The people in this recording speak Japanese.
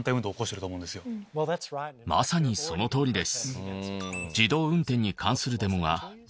まさにその通りです。